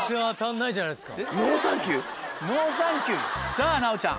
さぁ奈央ちゃん